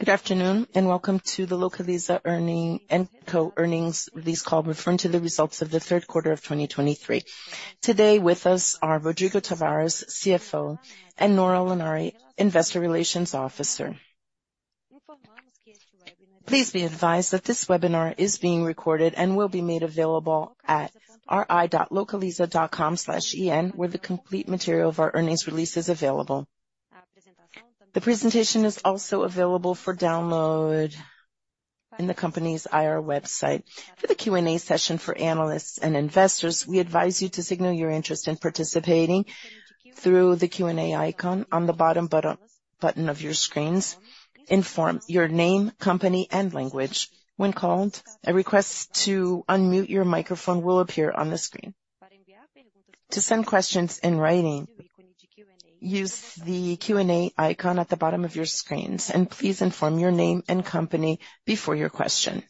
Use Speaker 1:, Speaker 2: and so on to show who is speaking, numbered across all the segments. Speaker 1: Good afternoon, and Welcome to the Localiza&Co Earnings Release Call, referring to the results of the third quarter of 2023. Today with us are Rodrigo Tavares, CFO, and Nora Lanari, Investor Relations Officer. Please be advised that this webinar is being recorded and will be made available at ri.localiza.com/en, where the complete material of our earnings release is available. The presentation is also available for download in the company's IR website. For the Q&A session for analysts and investors, we advise you to signal your interest in participating through the Q&A icon on the bottom button of your screens. Inform your name, company, and language. When called, a request to unmute your microphone will appear on the screen. To send questions in writing, use the Q&A icon at the bottom of your screens, and please inform your name and company before your question.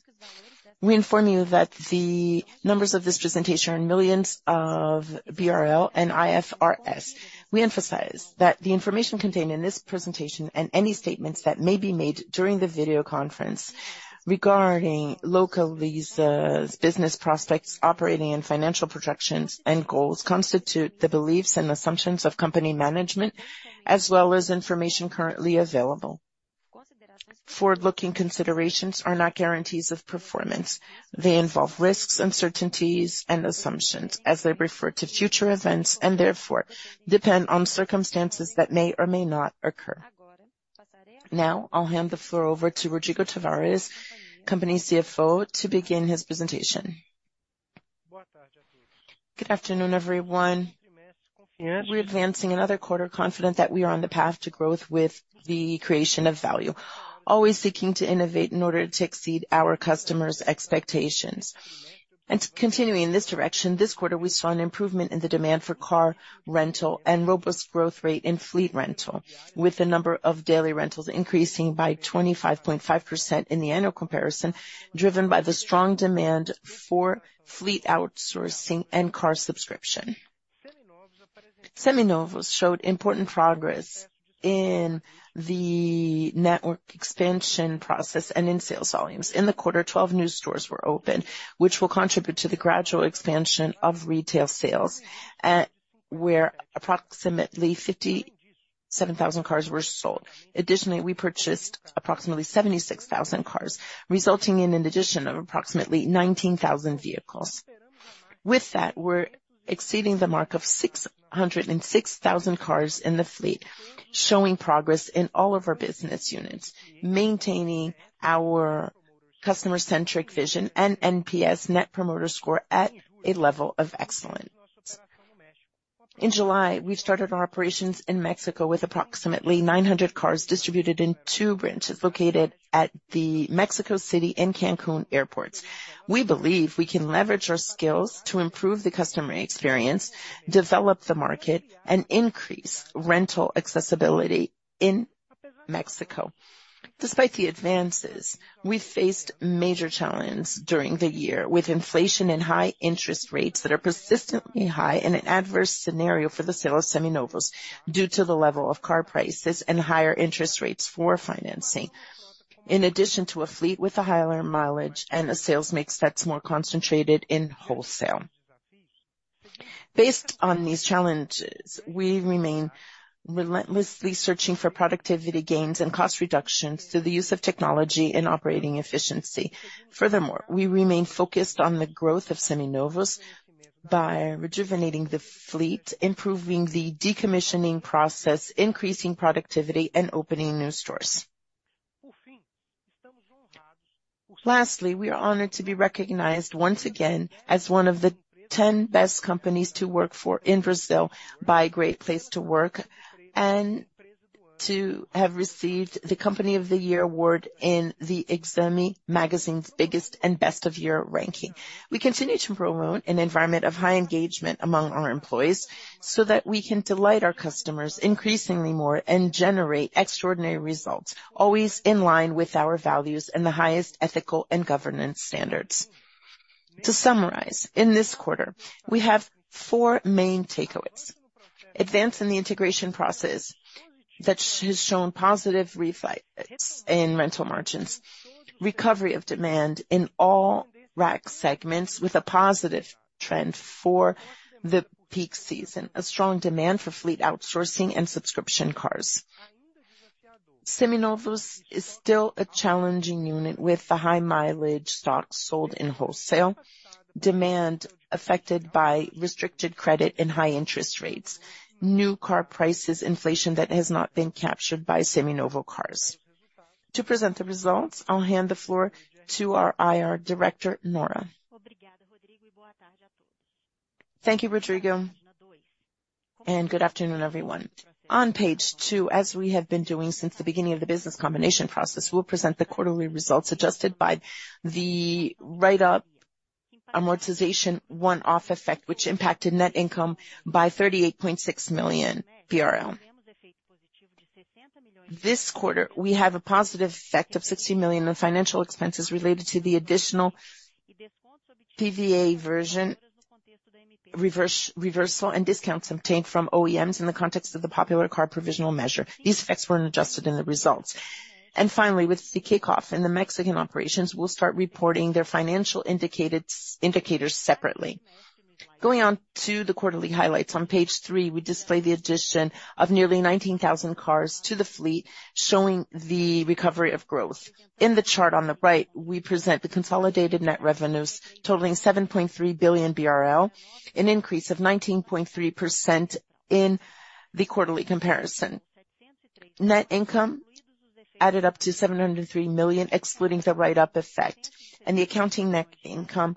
Speaker 1: We inform you that the numbers of this presentation are in millions of BRL and IFRS. We emphasize that the information contained in this presentation, and any statements that may be made during the video conference regarding Localiza's business prospects, operating and financial projections and goals, constitute the beliefs and assumptions of company management, as well as information currently available. Forward-looking considerations are not guarantees of performance. They involve risks, uncertainties, and assumptions as they refer to future events, and therefore depend on circumstances that may or may not occur. Now, I'll hand the floor over to Rodrigo Tavares, Company CFO, to begin his presentation.
Speaker 2: Good afternoon, everyone. We're advancing another quarter, confident that we are on the path to growth with the creation of value, always seeking to innovate in order to exceed our customers' expectations. And continuing in this direction, this quarter, we saw an improvement in the demand for car rental and robust growth rate in fleet rental, with the number of daily rentals increasing by 25.5% in the annual comparison, driven by the strong demand for fleet outsourcing and car subscription. Seminovos showed important progress in the network expansion process and in sales volumes. In the quarter, 12 new stores were opened, which will contribute to the gradual expansion of retail sales, where approximately 57,000 cars were sold. Additionally, we purchased approximately 76,000 cars, resulting in an addition of approximately 19,000 vehicles. With that, we're exceeding the mark of 606,000 cars in the fleet, showing progress in all of our business units, maintaining our customer-centric vision and NPS, Net Promoter Score, at a level of excellence. In July, we started our operations in Mexico with approximately 900 cars distributed in two branches located at the Mexico City and Cancun airports. We believe we can leverage our skills to improve the customer experience, develop the market, and increase rental accessibility in Mexico. Despite the advances, we faced major challenges during the year with inflation and high interest rates that are persistently high and an adverse scenario for the sale of seminovos due to the level of car prices and higher interest rates for financing, in addition to a fleet with a higher mileage and a sales mix that's more concentrated in wholesale. Based on these challenges, we remain relentlessly searching for productivity gains and cost reductions through the use of technology and operating efficiency. Furthermore, we remain focused on the growth of seminovos by rejuvenating the fleet, improving the decommissioning process, increasing productivity, and opening new stores. Lastly, we are honored to be recognized once again as one of the 10 best companies to work for in Brazil by Great Place to Work, and to have received the Company of the Year award in the EXAME magazine's Biggest and Best of Year ranking. We continue to promote an environment of high engagement among our employees, so that we can delight our customers increasingly more and generate extraordinary results, always in line with our values and the highest ethical and governance standards. To summarize, in this quarter, we have 4 main takeaways: advance in the integration process that has shown positive results in rental margins, recovery of demand in all RAC segments with a positive trend for the peak season, a strong demand for fleet outsourcing and subscription cars. Seminovos is still a challenging unit, with the high mileage stocks sold in wholesale, demand affected by restricted credit and high interest rates, new car prices, inflation that has not been captured by seminovo cars. To present the results, I'll hand the floor to our IR director, Nora.
Speaker 3: Thank you, Rodrigo, and good afternoon, everyone. On page two, as we have been doing since the beginning of the business combination process, we'll present the quarterly results adjusted by the write-up amortization one-off effect, which impacted net income by 38.6 million. This quarter, we have a positive effect of 60 million in financial expenses related to the additional IPVA provision reversal and discounts obtained from OEMs in the context of the popular car provisional measure. These effects weren't adjusted in the results. And finally, with the kickoff in the Mexican operations, we'll start reporting their financial indicators separately. Going on to the quarterly highlights. On page three, we display the addition of nearly 19,000 cars to the fleet, showing the recovery of growth. In the chart on the right, we present the consolidated net revenues totaling 7.3 billion BRL, an increase of 19.3% in the quarterly comparison. Net income added up to 703 million, excluding the write-up effect, and the accounting net income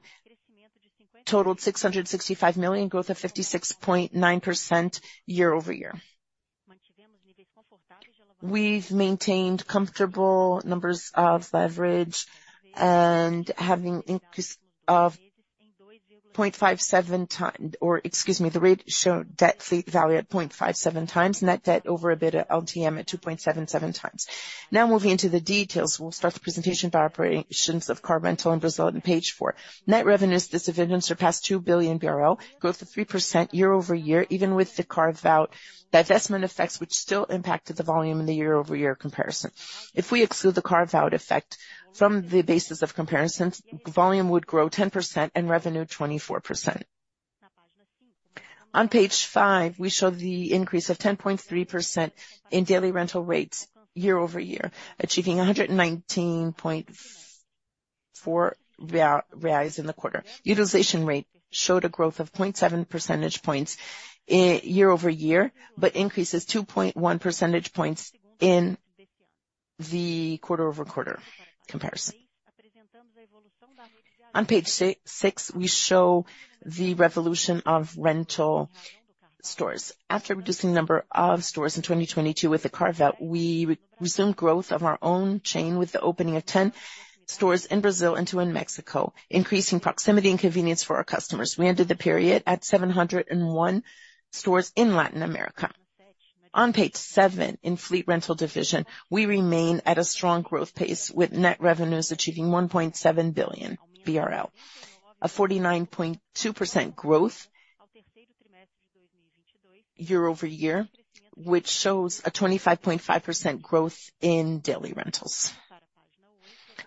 Speaker 3: totaled 665 million, growth of 56.9% year-over-year. We've maintained comfortable numbers of leverage and having increase of 0.57x or excuse me, the ratio net debt fleet value at 0.57x, net debt over EBITDA LTM at 2.77x. Now, moving into the details. We'll start the presentation by operations of car rental in Brazil on page four. Net revenues, this division surpassed two billion, growth of 3% year-over-year, even with the carve-out divestment effects, which still impacted the volume in the year-over-year comparison. If we exclude the carve-out effect from the basis of comparison, volume would grow 10% and revenue, 24%. On page five, we show the increase of 10.3% in daily rental rates year-over-year, achieving 119.4 in the quarter. Utilization rate showed a growth of 0.7 percentage points year-over-year, but increases 2.1 percentage points in the quarter-over-quarter comparison. On page six, we show the evolution of rental stores. After reducing the number of stores in 2022 with the carve-out, we resumed growth of our own chain with the opening of 10 stores in Brazil and 2 in Mexico, increasing proximity and convenience for our customers. We ended the period at 701 stores in Latin America. On page seven, in fleet rental division, we remain at a strong growth pace, with net revenues achieving 1.7 billion BRL, a 49.2% growth year-over-year, which shows a 25.5% growth in daily rentals.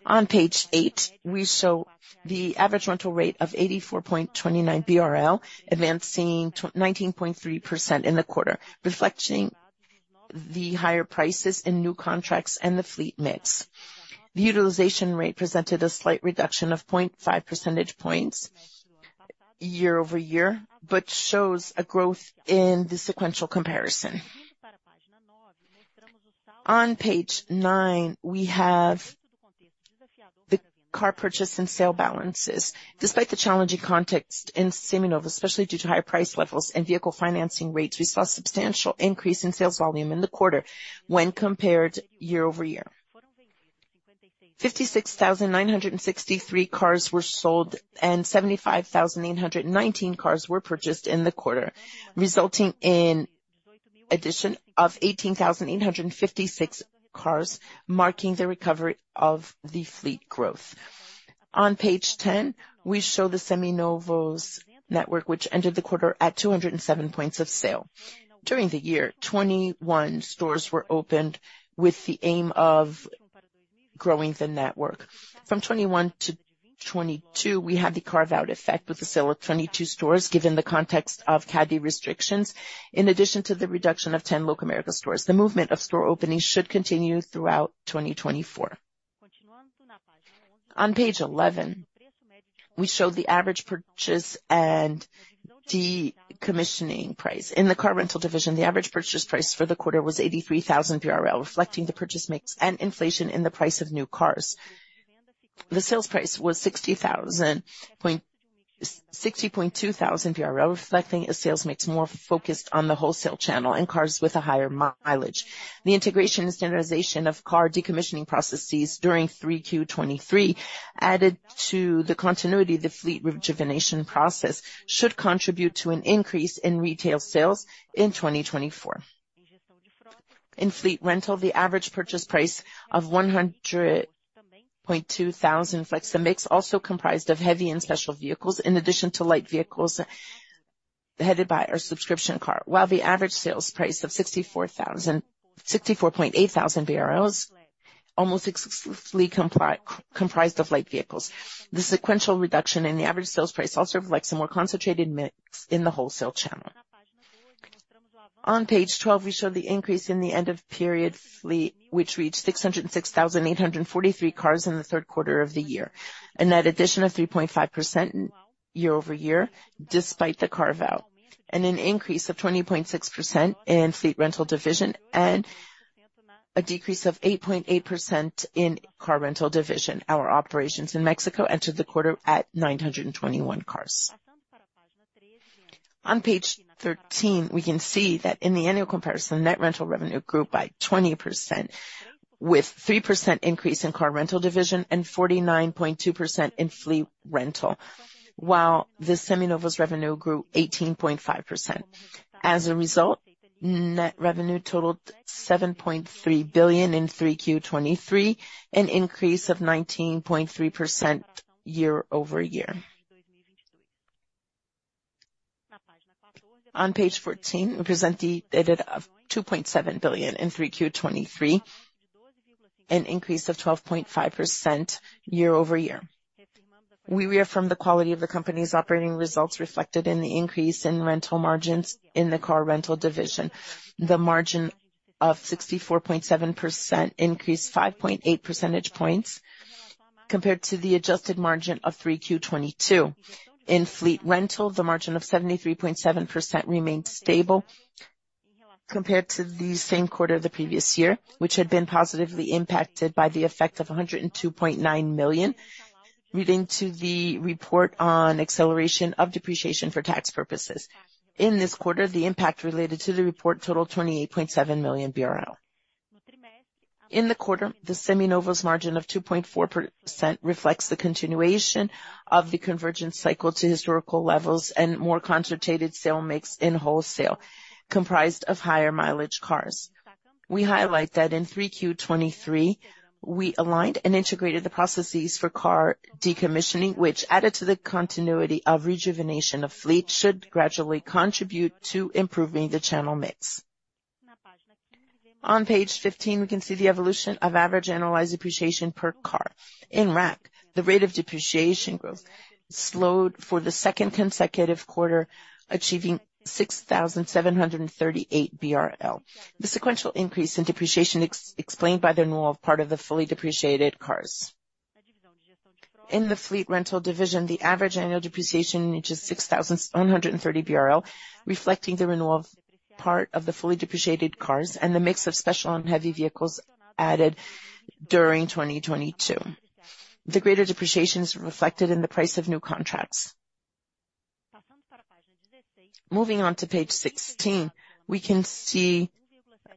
Speaker 3: On page 8, we show the average rental rate of 84.29 BRL, advancing 19.3% in the quarter, reflecting the higher prices in new contracts and the fleet mix. The utilization rate presented a slight reduction of 0.5 percentage points year-over-year, but shows a growth in the sequential comparison. On page nine, we have the car purchase and sale balances. Despite the challenging context in Seminovos, especially due to higher price levels and vehicle financing rates, we saw a substantial increase in sales volume in the quarter when compared year-over-year. 56,963 cars were sold, and 75,819 cars were purchased in the quarter, resulting in addition of 18,856 cars, marking the recovery of the fleet growth. On page 10, we show the Seminovos network, which ended the quarter at 207 points of sale. During the year, 21 stores were opened with the aim of growing the network. From 2021 to 2022, we had the carve-out effect with the sale of 22 stores, given the context of CADE restrictions, in addition to the reduction of 10 Locamerica stores. The movement of store openings should continue throughout 2024. On page 11, we show the average purchase and decommissioning price. In the car rental division, the average purchase price for the quarter was 83,000 BRL, reflecting the purchase mix and inflation in the price of new cars. The sales price was 60,200 BRL, reflecting a sales mix more focused on the wholesale channel and cars with a higher mileage. The integration and standardization of car decommissioning processes during 3Q 2023, added to the continuity of the fleet rejuvenation process, should contribute to an increase in retail sales in 2024. In fleet rental, the average purchase price of 100,200 reflects the mix, also comprised of heavy and special vehicles, in addition to light vehicles headed by our subscription car. While the average sales price of 64,800, almost exclusively comprised of light vehicles. The sequential reduction in the average sales price also reflects a more concentrated mix in the wholesale channel. On page 12, we show the increase in the end-of-period fleet, which reached 606,843 cars in the third quarter of the year. A net addition of 3.5% year-over-year, despite the carve-out, and an increase of 20.6% in fleet rental division. A decrease of 8.8% in car rental division. Our operations in Mexico entered the quarter at 921 cars. On page 13, we can see that in the annual comparison, net rental revenue grew by 20%, with 3% increase in car rental division and 49.2% in fleet rental, while the Seminovos revenue grew 18.5%. As a result, net revenue totaled 7.3 billion in 3Q23, an increase of 19.3% year-over-year. On page 14, we present the EBITDA of 2.7 billion in 3Q23, an increase of 12.5% year-over-year. We reaffirm the quality of the company's operating results, reflected in the increase in rental margins in the car rental division. The margin of 64.7% increased 5.8 percentage points compared to the adjusted margin of 3Q22. In fleet rental, the margin of 73.7% remained stable compared to the same quarter the previous year, which had been positively impacted by the effect of 102.9 million, relating to the report on acceleration of depreciation for tax purposes. In this quarter, the impact related to the report totaled 28.7 million. In the quarter, the Seminovos' margin of 2.4% reflects the continuation of the convergence cycle to historical levels and more concentrated sale mix in wholesale, comprised of higher mileage cars. We highlight that in 3Q23, we aligned and integrated the processes for car decommissioning, which added to the continuity of rejuvenation of fleet, should gradually contribute to improving the channel mix. On page 15, we can see the evolution of average annualized depreciation per car. In RAC, the rate of depreciation growth slowed for the second consecutive quarter, achieving 6,738 BRL. The sequential increase in depreciation explained by the renewal of part of the fully depreciated cars. In the fleet rental division, the average annual depreciation, which is 6,130 BRL, reflecting the renewal of part of the fully depreciated cars and the mix of special and heavy vehicles added during 2022. The greater depreciation is reflected in the price of new contracts. Moving on to page 16, we can see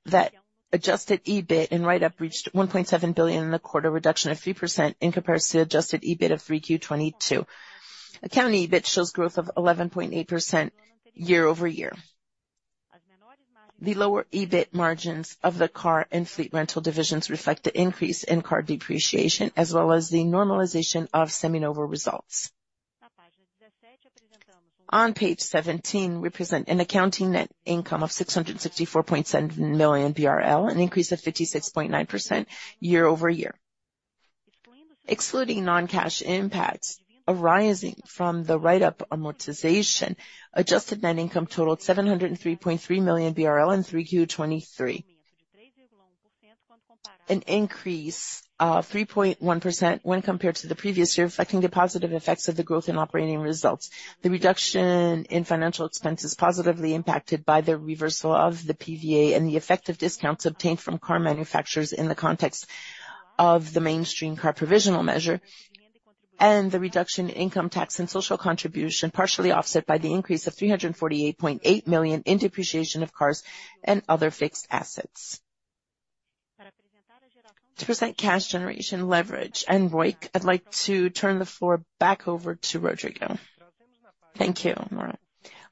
Speaker 3: that adjusted EBIT and write-up reached 1.7 billion in the quarter, reduction of 3% in comparison to adjusted EBIT of 3Q22. Accounting EBIT shows growth of 11.8% year-over-year. The lower EBIT margins of the car and fleet rental divisions reflect the increase in car depreciation, as well as the normalization of Seminovos results. On page 17, we present an accounting net income of 664.7 million BRL, an increase of 56.9% year-over-year. Excluding non-cash impacts arising from the write-up amortization, adjusted net income totaled 703.3 million BRL in 3Q23. An increase 3.1% when compared to the previous year, reflecting the positive effects of the growth in operating results. The reduction in financial expenses positively impacted by the reversal of the IPVA and the effective discounts obtained from car manufacturers in the context of the mainstream car provisional measure, and the reduction in income tax and social contribution, partially offset by the increase of 348.8 million in depreciation of cars and other fixed assets. To present cash generation leverage and ROIC, I'd like to turn the floor back over to Rodrigo.
Speaker 2: Thank you, Nora.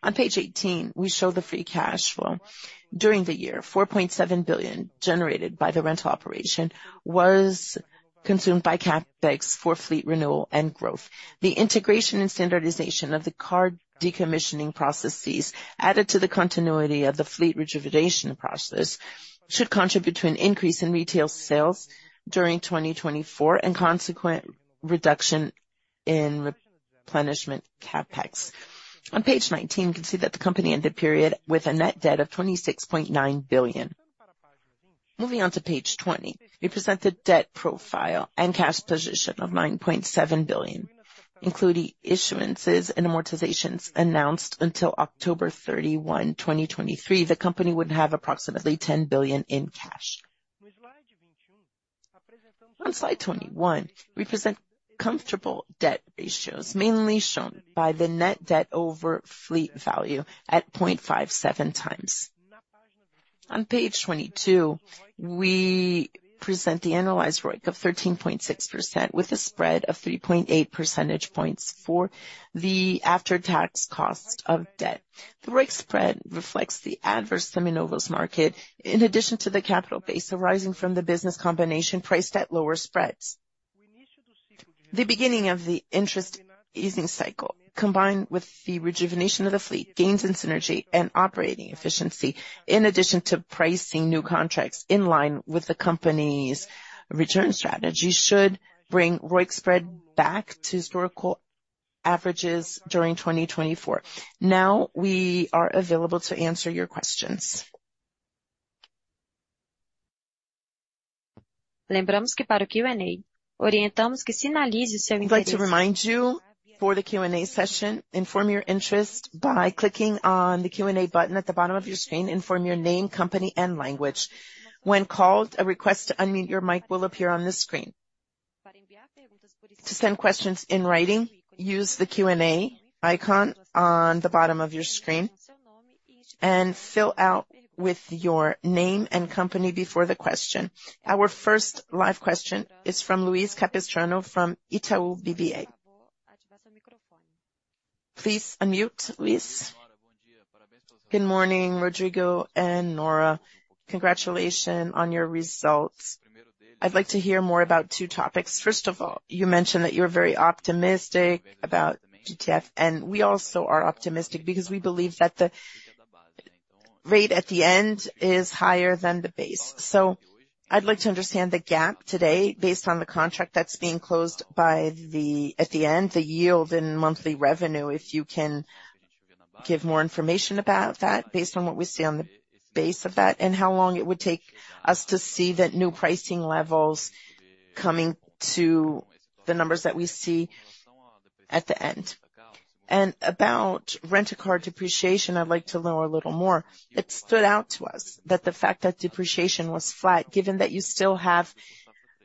Speaker 2: On page 18, we show the free cash flow. During the year, 4.7 billion generated by the rental operation was consumed by CapEx for fleet renewal and growth. The integration and standardization of the car decommissioning processes, added to the continuity of the fleet rejuvenation process, should contribute to an increase in retail sales during 2024 and consequent reduction in replenishment CapEx. On page 19, you can see that the company ended the period with a net debt of 26.9 billion. Moving on to page 20, we present the debt profile and cash position of 9.7 billion, including issuances and amortizations announced until October 31, 2023. The company would have approximately 10 billion in cash. On slide 21, we present comfortable debt ratios, mainly shown by the net debt over fleet value at 0.57 times. On page 22, we present the annualized ROIC of 13.6%, with a spread of 3.8 percentage points for the after-tax cost of debt. The ROIC spread reflects the adverse Seminovos market, in addition to the capital base arising from the business combination priced at lower spreads. The beginning of the interest easing cycle, combined with the rejuvenation of the fleet, gains in synergy and operating efficiency, in addition to pricing new contracts in line with the company's return strategy, should bring ROIC spread back to historical averages during 2024. Now, we are available to answer your questions.
Speaker 1: Lembramos que para o Q&A, orientamos que sinalize o seu interesse. I'd like to remind you, for the Q&A session, inform your interest by clicking on the Q&A button at the bottom of your screen. Inform your name, company, and language. When called, a request to unmute your mic will appear on the screen. To send questions in writing, use the Q&A icon on the bottom of your screen, and fill out with your name and company before the question. Our first live question is from Luiz Capistrano from Itaú BBA. Please unmute, Luiz.
Speaker 4: Good morning, Rodrigo and Nora. Congratulations on your results. I'd like to hear more about two topics. First of all, you mentioned that you're very optimistic about GTF, and we also are optimistic because we believe that the rate at the end is higher than the base. I'd like to understand the gap today, based on the contract that's being closed by the at the end, the yield and monthly revenue, if you can give more information about that, based on what we see on the base of that, and how long it would take us to see that new pricing levels coming to the numbers that we see at the end. About Rent-a-Car depreciation, I'd like to know a little more. It stood out to us that the fact that depreciation was flat, given that you still have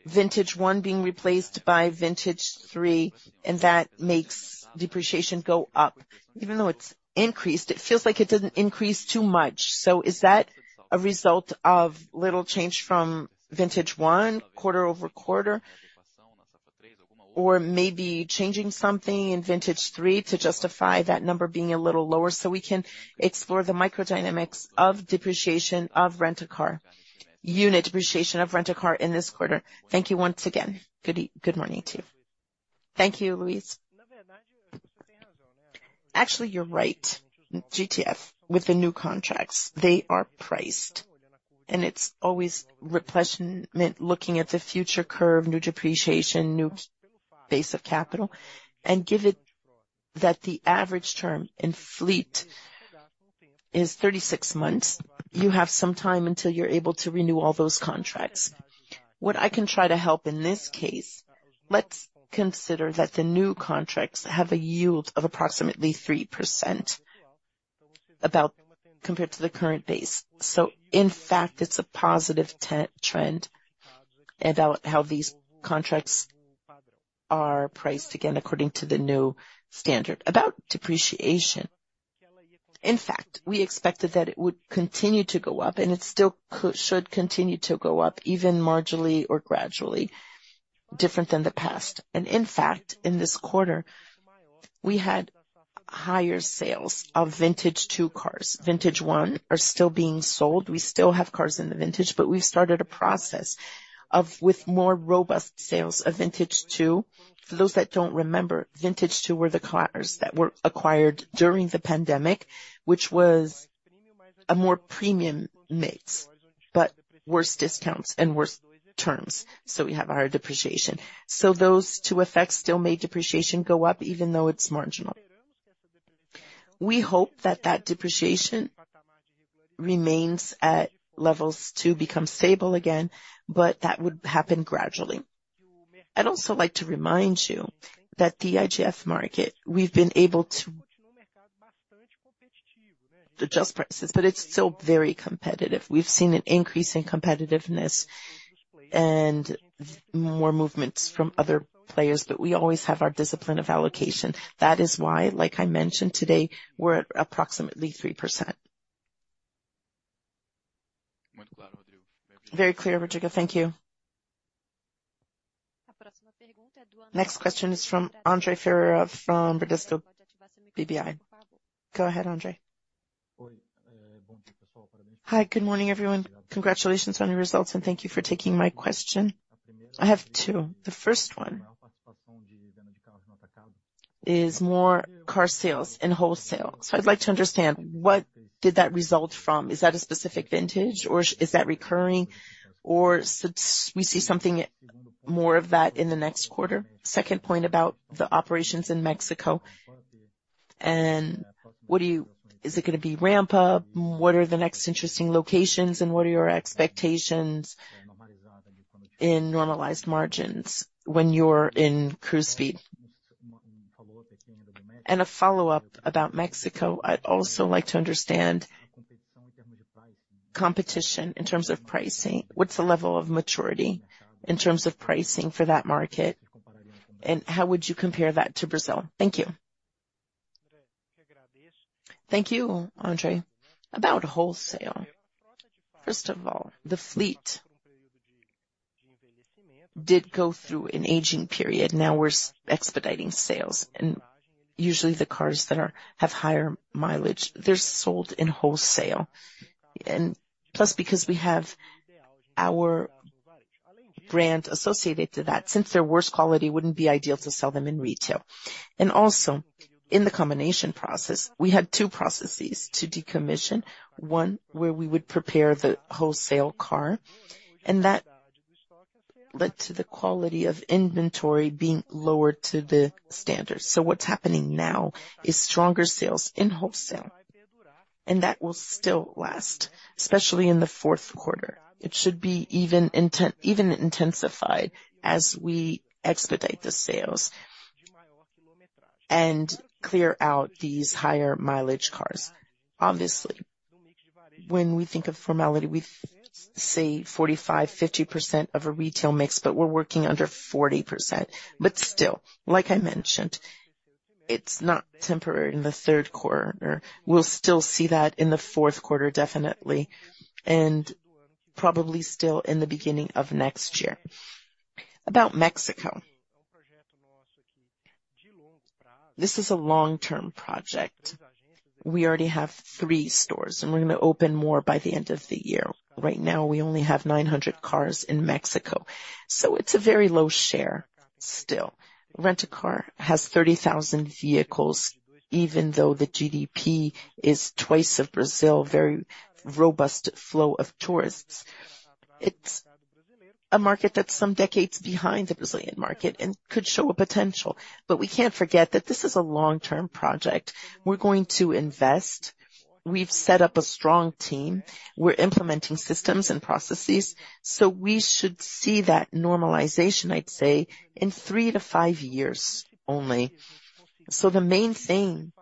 Speaker 4: Vintage 1 being replaced by Vintage three, and that makes depreciation go up. Even though it's increased, it feels like it didn't increase too much. So is that a result of little change from Vintage one quarter-over-quarter? Or maybe changing something in Vintage three to justify that number being a little lower, so we can explore the microdynamics of depreciation of Rent a Car unit depreciation of Rent a Car in this quarter. Thank you once again. Good morning to you.
Speaker 2: Thank you, Luiz. Actually, you're right. GTF, with the new contracts, they are priced, and it's always replenishment, looking at the future curve, new depreciation, new base of capital. And given that the average term in fleet is 36 months, you have some time until you're able to renew all those contracts. What I can try to help in this case, let's consider that the new contracts have a yield of approximately 3% above compared to the current base. So in fact, it's a positive trend about how these contracts are priced again, according to the new standard. About depreciation, in fact, we expected that it would continue to go up, and it still should continue to go up, even marginally or gradually, different than the past. And in fact, in this quarter, we had higher sales of Vintage two cars. Vintage 1 are still being sold. We still have cars in the vintage, but we've started a process with more robust sales of Vintage two. For those that don't remember, Vintage two were the cars that were acquired during the pandemic, which was a more premium mix, but worse discounts and worse terms. So we have higher depreciation. So those two effects still made depreciation go up, even though it's marginal. We hope that that depreciation remains at levels to become stable again, but that would happen gradually. I'd also like to remind you that the GTF market, we've been able to adjust prices, but it's still very competitive. We've seen an increase in competitiveness and more movements from other players, but we always have our discipline of allocation. That is why, like I mentioned today, we're at approximately 3%.
Speaker 4: Very clear, Rodrigo.
Speaker 1: Thank you. Next question is from André Ferreira, from Bradesco BBI. Go ahead, André.
Speaker 5: Hi, good morning, everyone. Congratulations on your results, and thank you for taking my question. I have two. The first one is more car sales and wholesale. So I'd like to understand, what did that result from? Is that a specific vintage, or is that recurring? Or since we see something more of that in the next quarter. Second point about the operations in Mexico. And what do you... Is it gonna be ramp up? What are the next interesting locations, and what are your expectations in normalized margins when you're in cruise speed? And a follow-up about Mexico. I'd also like to understand competition in terms of pricing. What's the level of maturity in terms of pricing for that market, and how would you compare that to Brazil? Thank you.
Speaker 2: Thank you, André. About wholesale, first of all, the fleet did go through an aging period. Now we're expediting sales, and usually the cars that are, have higher mileage, they're sold in wholesale. And plus, because we have our brand associated to that, since they're worse quality, it wouldn't be ideal to sell them in retail. And also, in the combination process, we had two processes to decommission. One, where we would prepare the wholesale car, and that led to the quality of inventory being lowered to the standards. So what's happening now is stronger sales in wholesale, and that will still last, especially in the fourth quarter. It should be even intensified as we expedite the sales and clear out these higher mileage cars. Obviously, when we think of formality, we say 45%-50% of a retail mix, but we're working under 40%. But still, like I mentioned, it's not temporary in the third quarter. We'll still see that in the fourth quarter, definitely, and probably still in the beginning of next year. About Mexico. This is a long-term project. We already have 3 stores, and we're gonna open more by the end of the year. Right now, we only have 900 cars in Mexico, so it's a very low share still. Rent-a-Car has 30,000 vehicles, even though the GDP is twice of Brazil, very robust flow of tourists. It's a market that's some decades behind the Brazilian market and could show a potential. But we can't forget that this is a long-term project. We're going to invest. We've set up a strong team. We're implementing systems and processes, so we should see that normalization, I'd say, in three to five years only. So the main thing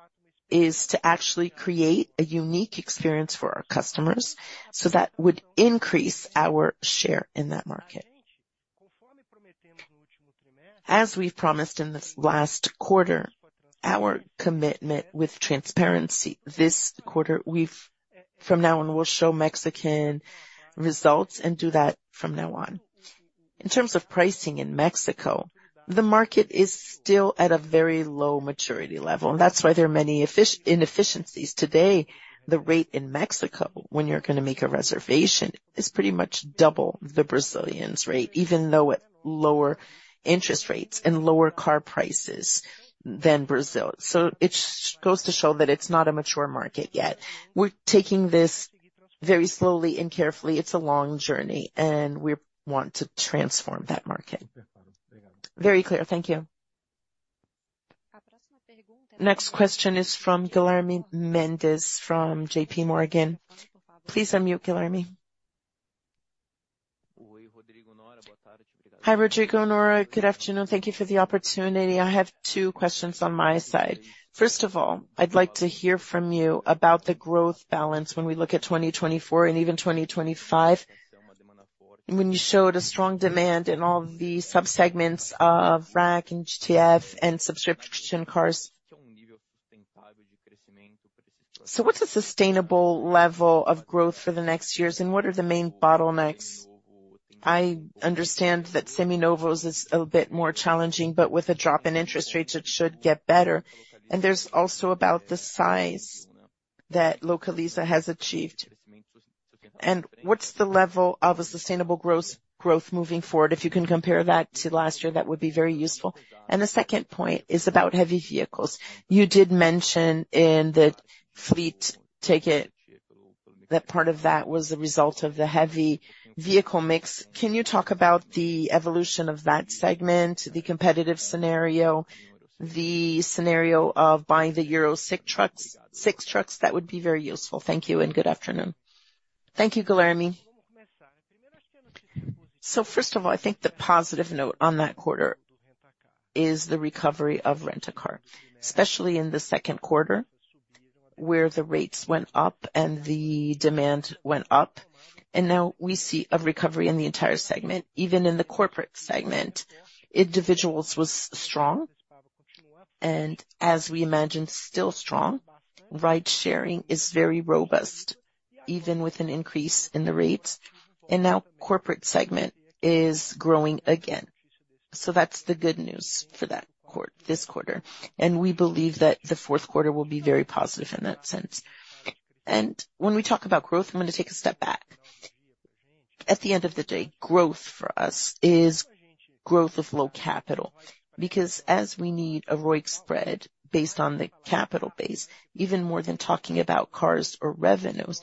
Speaker 2: is to actually create a unique experience for our customers so that would increase our share in that market. As we've promised in the last quarter, our commitment with transparency this quarter, from now on, we'll show Mexican results and do that from now on. In terms of pricing in Mexico, the market is still at a very low maturity level, and that's why there are many inefficiencies. Today, the rate in Mexico, when you're gonna make a reservation, is pretty much double the Brazilian rate, even though at lower interest rates and lower car prices than Brazil. So it goes to show that it's not a mature market yet. We're taking this very slowly and carefully. It's a long journey, and we want to transform that market.
Speaker 5: Very clear. Thank you.
Speaker 1: Next question is from Guilherme Mendes, from JPMorgan. Please unmute, Guilherme.
Speaker 6: Hi, Rodrigo, Nora. Good afternoon. Thank you for the opportunity. I have two questions on my side. First of all, I'd like to hear from you about the growth balance when we look at 2024 and even 2025, when you showed a strong demand in all the subsegments of RAC and GTF and subscription cars. So what's the sustainable level of growth for the next years, and what are the main bottlenecks? I understand that Seminovos is a bit more challenging, but with a drop in interest rates, it should get better. And there's also about the size that Localiza has achieved, and what's the level of a sustainable growth, growth moving forward? If you can compare that to last year, that would be very useful. And the second point is about heavy vehicles. You did mention in the fleet ticket that part of that was a result of the heavy vehicle mix. Can you talk about the evolution of that segment, the competitive scenario, the scenario of buying the EUR six trucks, six trucks? That would be very useful. Thank you and good afternoon.
Speaker 2: Thank you, Guilherme. So first of all, I think the positive note on that quarter is the recovery of Rent-a-Car, especially in the second quarter, where the rates went up and the demand went up, and now we see a recovery in the entire segment. Even in the corporate segment, individuals was strong and as we imagined, still strong. Ride-sharing is very robust, even with an increase in the rates, and now corporate segment is growing again. So that's the good news for that this quarter, and we believe that the fourth quarter will be very positive in that sense. And when we talk about growth, I'm going to take a step back. At the end of the day, growth for us is growth of low capital, because as we need a ROIC spread based on the capital base, even more than talking about cars or revenues,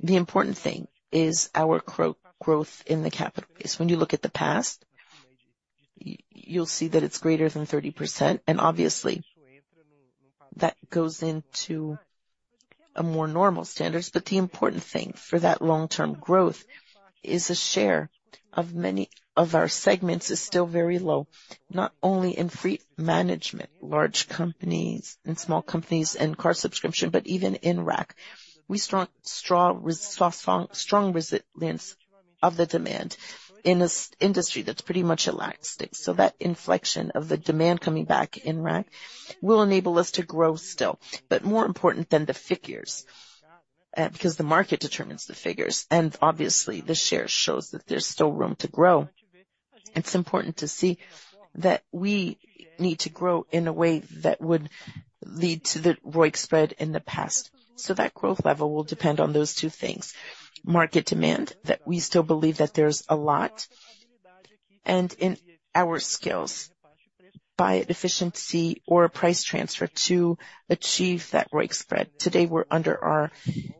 Speaker 2: the important thing is our growth in the capital base. When you look at the past, you'll see that it's greater than 30%, and obviously that goes into a more normal standards. But the important thing for that long-term growth is the share of many of our segments is still very low, not only in fleet management, large companies and small companies, and car subscription, but even in RAC. We strong resilience of the demand in this industry that's pretty much elastic. So that inflection of the demand coming back in RAC will enable us to grow still. But more important than the figures, because the market determines the figures, and obviously, the share shows that there's still room to grow. It's important to see that we need to grow in a way that would lead to the ROIC Spread in the past. So that growth level will depend on those two things: market demand, that we still believe that there's a lot, and in our skills, by efficiency or price transfer, to achieve that ROIC Spread. Today, we're under our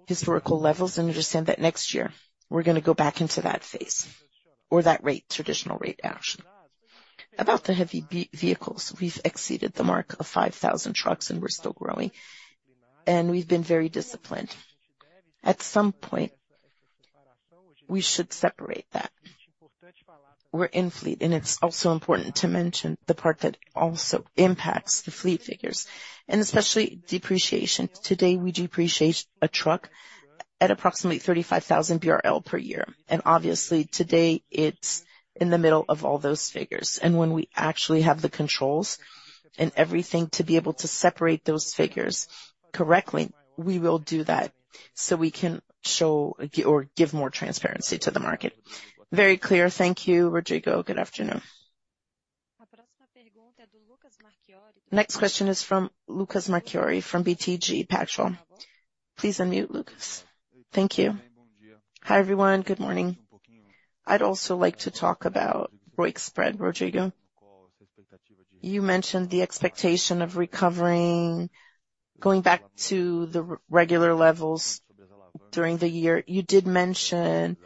Speaker 2: historical levels, and understand that next year we're gonna go back into that phase or that rate, traditional rate action. About the heavy vehicles, we've exceeded the mark of 5,000 trucks, and we're still growing, and we've been very disciplined. At some point, we should separate that. We're in fleet, and it's also important to mention the part that also impacts the fleet figures, and especially depreciation. Today, we depreciate a truck at approximately 35,000 BRL per year, and obviously, today, it's in the middle of all those figures. And when we actually have the controls and everything to be able to separate those figures correctly, we will do that so we can show or give more transparency to the market.
Speaker 6: Very clear. Thank you, Rodrigo. Good afternoon.
Speaker 1: Next question is from Lucas Marquiori, from BTG Pactual. Please unmute, Lucas. Thank you.
Speaker 7: Hi, everyone. Good morning. I'd also like to talk about ROIC spread, Rodrigo. You mentioned the expectation of recovering, going back to the regular levels during the year. You did mention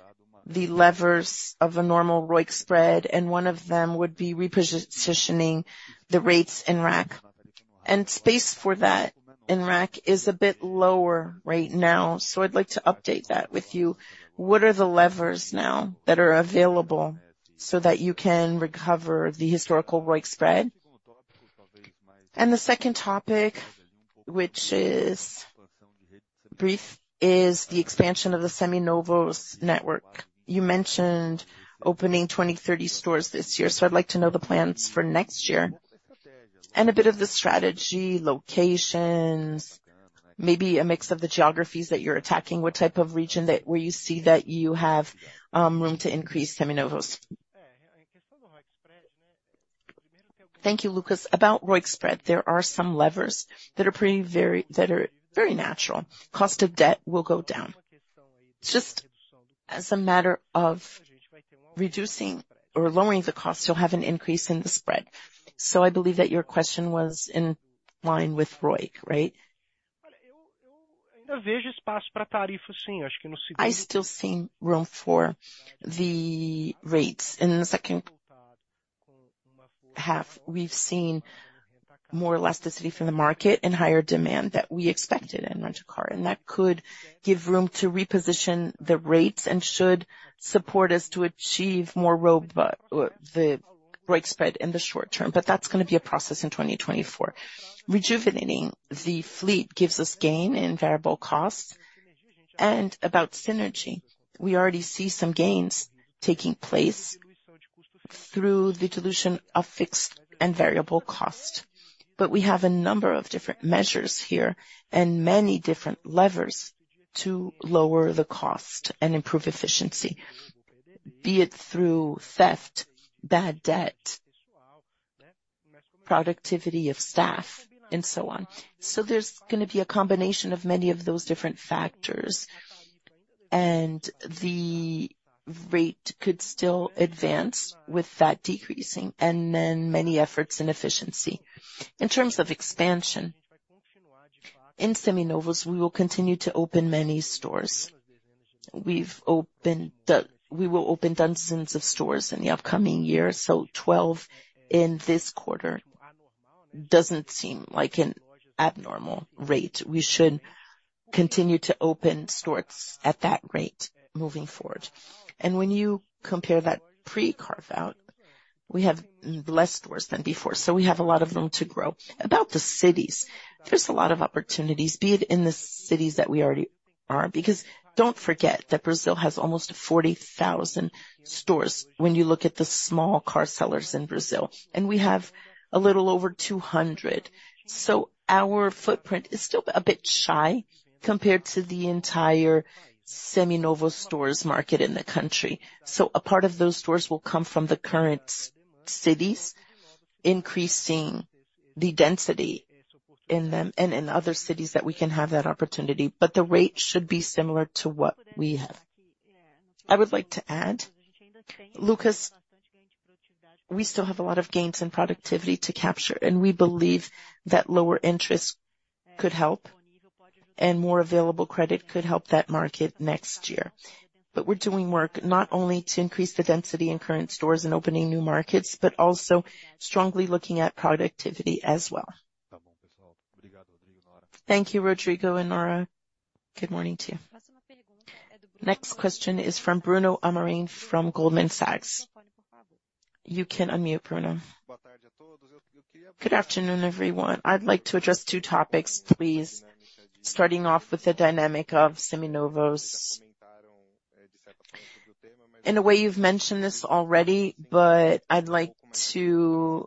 Speaker 7: the levers of a normal ROIC spread, and one of them would be repositioning the rates in RAC. Space for that in RAC is a bit lower right now, so I'd like to update that with you. What are the levers now that are available so that you can recover the historical ROIC spread? The second topic, which is brief, is the expansion of the Seminovos network. You mentioned opening 20-30 stores this year, so I'd like to know the plans for next year and a bit of the strategy, locations, maybe a mix of the geographies that you're attacking. What type of region where you see that you have room to increase Seminovos?
Speaker 2: Thank you, Lucas. About ROIC spread, there are some levers that are very natural. Cost of debt will go down. Just as a matter of reducing or lowering the cost, you'll have an increase in the spread. So I believe that your question was in line with ROIC, right? I still see room for the rates. In the second half, we've seen more elasticity from the market and higher demand than we expected in rent-a-car, and that could give room to reposition the rates and should support us to achieve more ROIC, the ROIC spread in the short term, but that's gonna be a process in 2024. Rejuvenating the fleet gives us gain in variable costs. And about synergy, we already see some gains taking place through the dilution of fixed and variable cost. But we have a number of different measures here and many different levers to lower the cost and improve efficiency, be it through theft, bad debt, productivity of staff, and so on. So there's gonna be a combination of many of those different factors, and the rate could still advance with that decreasing and then many efforts in efficiency. In terms of expansion, in Seminovos, we will continue to open many stores. We will open dozens of stores in the upcoming year, so 12 in this quarter doesn't seem like an abnormal rate. We should continue to open stores at that rate moving forward. And when you compare that pre-carve-out, we have less stores than before, so we have a lot of room to grow. About the cities, there's a lot of opportunities, be it in the cities that we already are. Because don't forget that Brazil has almost 40,000 stores when you look at the small car sellers in Brazil, and we have a little over 200.
Speaker 1: So our footprint is still a bit shy compared to the entire Seminovos stores market in the country. So a part of those stores will come from the current cities, increasing the density in them and in other cities that we can have that opportunity, but the rate should be similar to what we have.
Speaker 3: I would like to add, Lucas, we still have a lot of gains in productivity to capture, and we believe that lower interest could help and more available credit could help that market next year. But we're doing work not only to increase the density in current stores and opening new markets, but also strongly looking at productivity as well.
Speaker 7: Thank you, Rodrigo and Nora. Good morning to you.
Speaker 1: Next question is from Bruno Amorim from Goldman Sachs. You can unmute, Bruno.
Speaker 8: Good afternoon, everyone. I'd like to address two topics, please. Starting off with the dynamic of Seminovos. In a way, you've mentioned this already, but I'd like to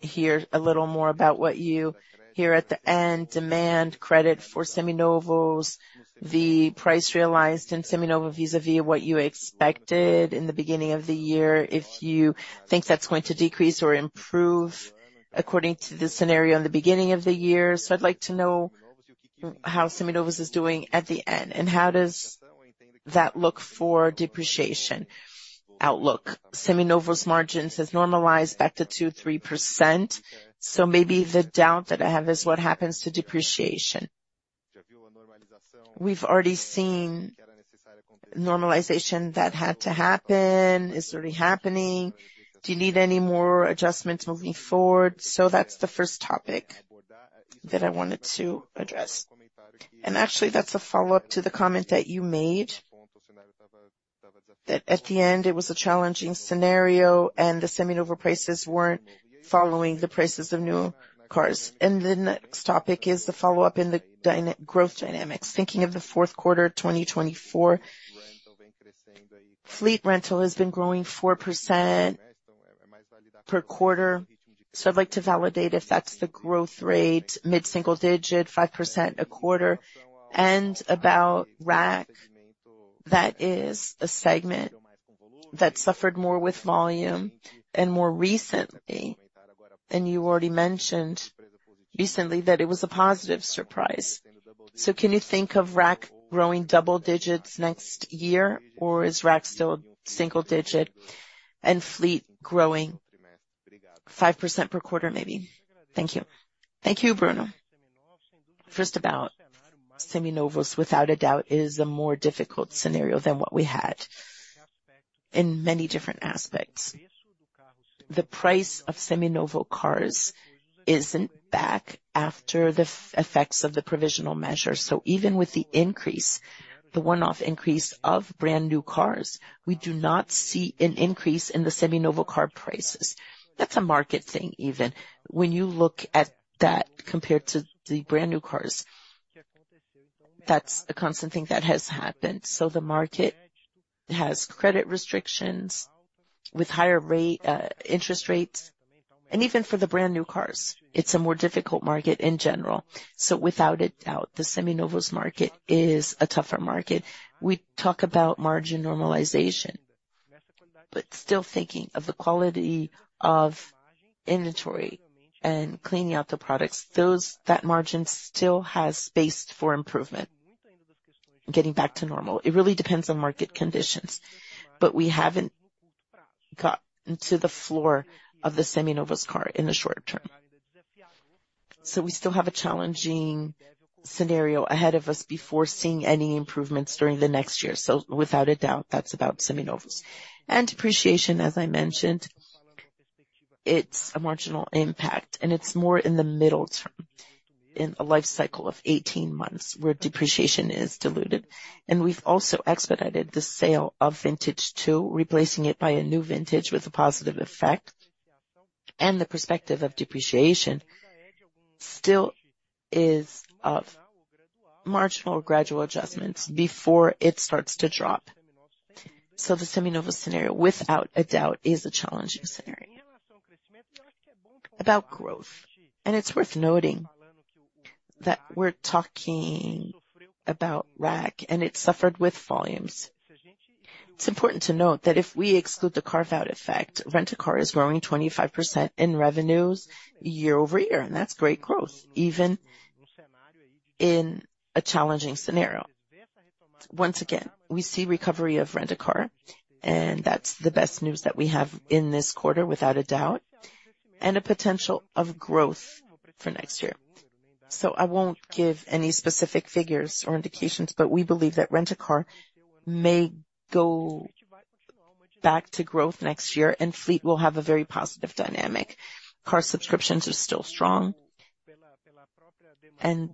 Speaker 8: hear a little more about what you hear at the end, demand credit for Seminovos, the price realized in Seminovos vis-a-vis what you expected in the beginning of the year, if you think that's going to decrease or improve according to the scenario in the beginning of the year. So I'd like to know how Seminovos is doing at the end, and how does that look for depreciation outlook? Seminovos margins has normalized back to 2%-3%, so maybe the doubt that I have is what happens to depreciation.... We've already seen normalization that had to happen, is already happening. Do you need any more adjustments moving forward? So that's the first topic that I wanted to address. Actually, that's a follow-up to the comment that you made, that at the end, it was a challenging scenario and the seminovo prices weren't following the prices of new cars. The next topic is the follow-up in the growth dynamics. Thinking of the fourth quarter, 2024, fleet rental has been growing 4% per quarter. So I'd like to validate if that's the growth rate, mid-single digit, 5% a quarter, and about RAC. That is a segment that suffered more with volume and more recently, and you already mentioned recently that it was a positive surprise. So can you think of RAC growing double digits next year, or is RAC still single digit and fleet growing 5% per quarter, maybe? Thank you.
Speaker 2: Thank you, Bruno. First, about seminovos, without a doubt, is a more difficult scenario than what we had in many different aspects. The price of seminovo cars isn't back after the effects of the provisional measure. So even with the increase, the one-off increase of brand new cars, we do not see an increase in the seminovo car prices. That's a market thing even. When you look at that compared to the brand new cars, that's a constant thing that has happened. So the market has credit restrictions with higher rate, interest rates, and even for the brand new cars, it's a more difficult market in general. So without a doubt, the seminovos market is a tougher market. We talk about margin normalization, but still thinking of the quality of inventory and cleaning out the products, that margin still has space for improvement. Getting back to normal, it really depends on market conditions, but we haven't got into the floor of the seminovos car in the short term. So we still have a challenging scenario ahead of us before seeing any improvements during the next year. So without a doubt, that's about seminovos. And depreciation, as I mentioned, it's a marginal impact, and it's more in the middle term, in a life cycle of 18 months, where depreciation is diluted. And we've also expedited the sale of Vintage two, replacing it by a new Vintage with a positive effect. And the perspective of depreciation still is of marginal or gradual adjustments before it starts to drop. So the seminovo scenario, without a doubt, is a challenging scenario. About growth, and it's worth noting that we're talking about RAC, and it suffered with volumes. It's important to note that if we exclude the carve-out effect, Rent-a-Car is growing 25% in revenues year-over-year, and that's great growth, even in a challenging scenario. Once again, we see recovery of Rent-a-Car, and that's the best news that we have in this quarter, without a doubt, and a potential of growth for next year. So I won't give any specific figures or indications, but we believe that Rent-a-Car may go back to growth next year, and fleet will have a very positive dynamic. Car subscriptions are still strong, and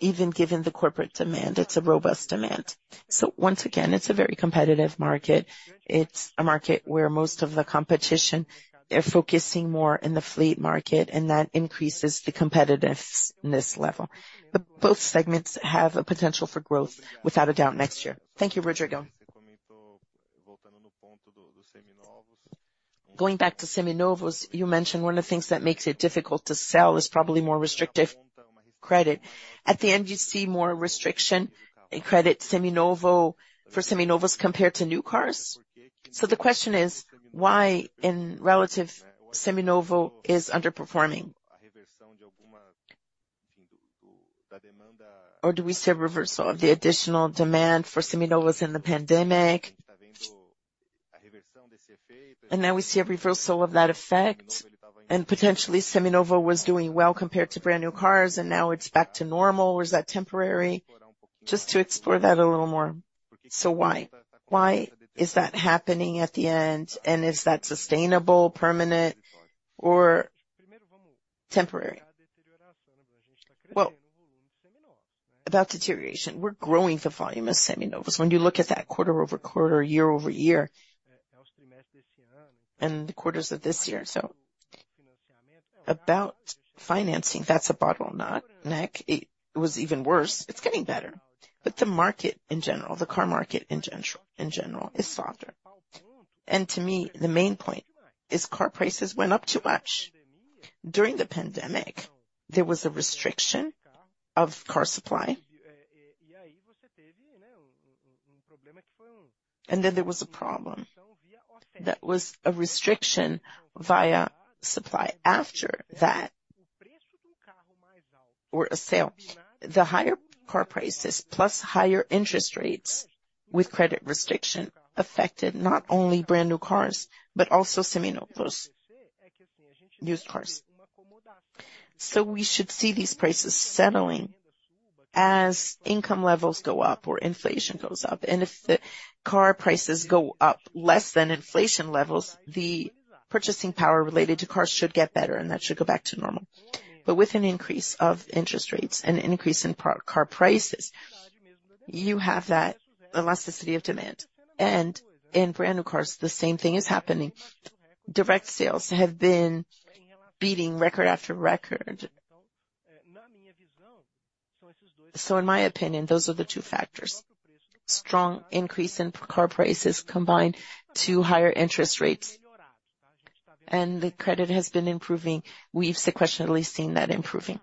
Speaker 2: even given the corporate demand, it's a robust demand. So once again, it's a very competitive market. It's a market where most of the competition, they're focusing more in the fleet market, and that increases the competitiveness level. But both segments have a potential for growth without a doubt, next year.
Speaker 8: Thank you, Rodrigo. Going back to seminovos, you mentioned one of the things that makes it difficult to sell is probably more restrictive credit. At the end, you see more restriction in credit, seminovo, for seminovos compared to new cars. So the question is, why in relative, seminovo is underperforming? Or do we see a reversal of the additional demand for seminovos in the pandemic, and now we see a reversal of that effect, and potentially seminovo was doing well compared to brand new cars, and now it's back to normal. Or is that temporary? Just to explore that a little more. So why? Why is that happening at the end, and is that sustainable, permanent, or temporary?
Speaker 2: Well, about deterioration, we're growing the volume of seminovos. When you look at that quarter-over-quarter, year-over-year, and the quarters of this year. So about financing, that's a bottleneck. It was even worse. It's getting better, but the market in general, the car market in general, in general, is softer. To me, the main point is car prices went up too much. During the pandemic, there was a restriction of car supply, and then there was a problem. That was a restriction via supply. After that, or a sale, the higher car prices plus higher interest rates with credit restriction, affected not only brand new cars, but also seminovos, used cars. So we should see these prices settling as income levels go up or inflation goes up. And if the car prices go up less than inflation levels, the purchasing power related to cars should get better, and that should go back to normal. But with an increase of interest rates and an increase in car prices, you have that elasticity of demand. And in brand new cars, the same thing is happening. Direct sales have been beating record after record. So in my opinion, those are the two factors. Strong increase in car prices combined to higher interest rates, and the credit has been improving. We've sequentially seen that improving.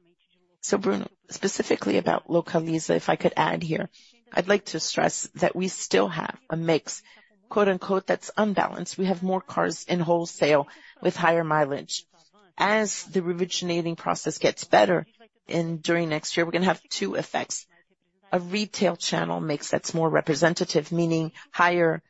Speaker 2: So, Bruno, specifically about Localiza, if I could add here, I'd like to stress that we still have a mix, quote, unquote, "That's unbalanced." We have more cars in wholesale with higher mileage. As the rejuvenation process gets better, and during next year, we're gonna have two effects: a retail channel mix that's more representative, meaning higher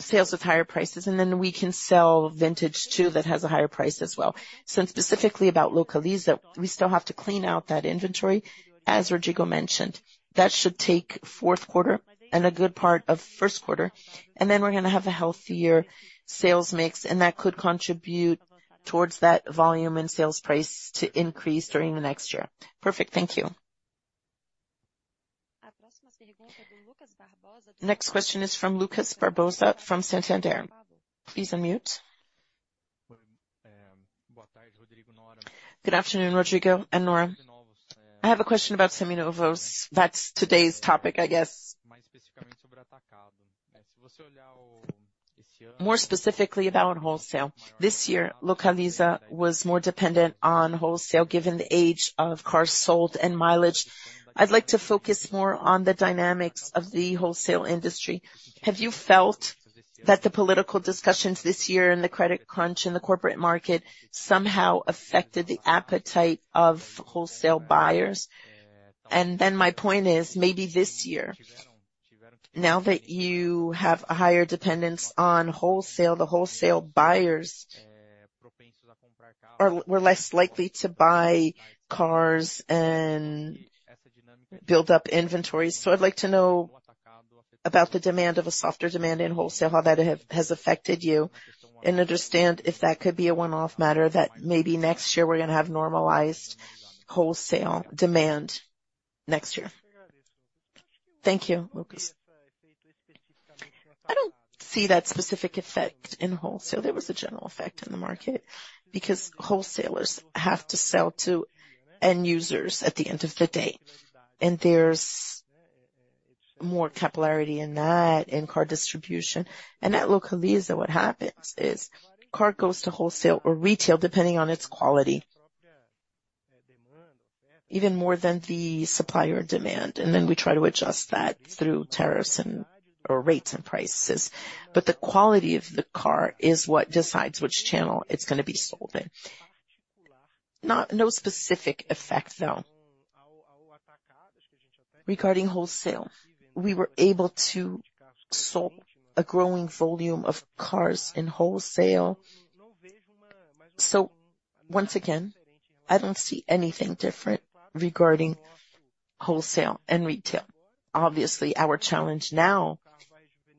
Speaker 2: sales with higher prices, and then we can sell vintage, too, that has a higher price as well. So specifically about Localiza, we still have to clean out that inventory, as Rodrigo mentioned. That should take fourth quarter and a good part of first quarter, and then we're gonna have a healthier sales mix, and that could contribute towards that volume and sales price to increase during the next year.
Speaker 8: Perfect. Thank you.
Speaker 1: Next question is from Lucas Barbosa, from Santander. Please unmute.
Speaker 9: Good afternoon, Rodrigo and Nora. I have a question about seminovos. That's today's topic, I guess. More specifically, about wholesale. This year, Localiza was more dependent on wholesale, given the age of cars sold and mileage. I'd like to focus more on the dynamics of the wholesale industry. Have you felt that the political discussions this year and the credit crunch in the corporate market somehow affected the appetite of wholesale buyers? And then my point is, maybe this year, now that you have a higher dependence on wholesale, the wholesale buyers were less likely to buy cars and build up inventories. So I'd like to know about the demand of a softer demand in wholesale, how that has affected you, and understand if that could be a one-off matter, that maybe next year we're gonna have normalized wholesale demand next year.
Speaker 2: Thank you, Lucas. I don't see that specific effect in wholesale. There was a general effect on the market, because wholesalers have to sell to end users at the end of the day, and there's more capillarity in that, in car distribution. At Localiza, what happens is, car goes to wholesale or retail, depending on its quality, even more than the supplier demand, and then we try to adjust that through tariffs and/or rates and prices. But the quality of the car is what decides which channel it's gonna be sold in. No specific effect, though. Regarding wholesale, we were able to sell a growing volume of cars in wholesale. So once again, I don't see anything different regarding wholesale and retail. Obviously, our challenge now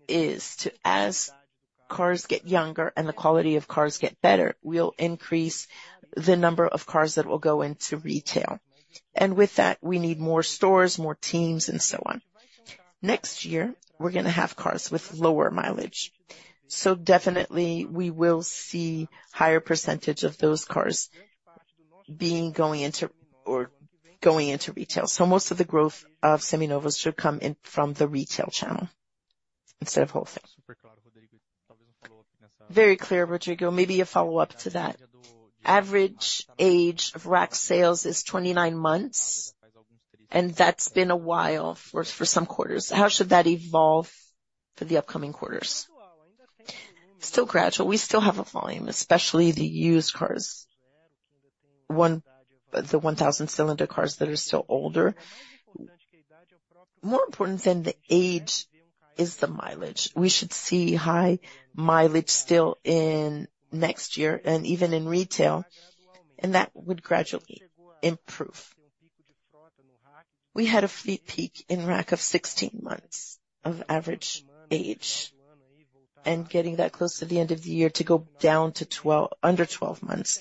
Speaker 2: is to, as cars get younger and the quality of cars get better, we'll increase the number of cars that will go into retail. And with that, we need more stores, more teams, and so on. Next year, we're gonna have cars with lower mileage, so definitely we will see higher percentage of those cars being, going into, or going into retail. So most of the growth of Seminovos should come in from the retail channel instead of wholesale. Very clear, Rodrigo. Maybe a follow-up to that. Average age of RAC sales is 29 months, and that's been a while for some quarters. How should that evolve for the upcoming quarters? Still gradual. We still have a volume, especially the used cars. The 1.0-liter cars that are still older. More important than the age is the mileage. We should see high mileage still in next year and even in retail, and that would gradually improve. We had a fleet peak in RAC of 16 months of average age, and getting that close to the end of the year to go down to under 12 months.